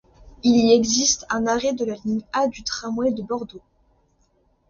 Il y existe un arrêt de la ligne A du tramway de Bordeaux.